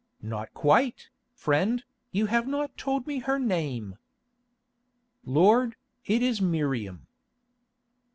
"Not quite, friend; you have not told me her name." "Lord, it is Miriam."